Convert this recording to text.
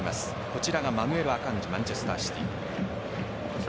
こちらはマヌエル・アカンジマンチェスター・シティ。